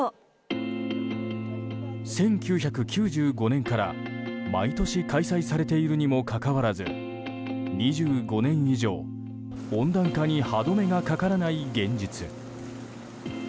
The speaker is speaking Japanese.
１９９５年から毎年開催されているにもかかわらず２５年以上、温暖化に歯止めがかからない現実。